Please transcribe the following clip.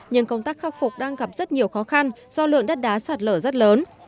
nhưng công tác khắc phục đang gặp rất nhiều khó khăn do lượng đất đá sạt lở rất lớn